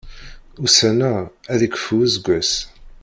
Ussan-a ad yekfu useggas.